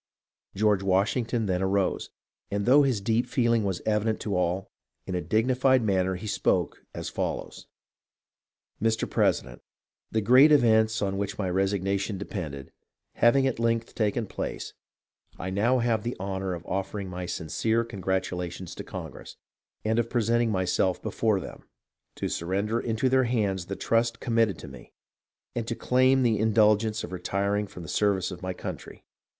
George Washington then arose, and though his deep feeling was evident to all, in a dignified manner he spoke as follows :—" Mr. President : The great events on which my resigna tion depended, having at length taken place, I now have the honour of offering my sincere congratulations to Congress, and of presenting myself before them, to surrender into their hands the trust committed to me, and to claim the indulgence of retiring from the service of my country.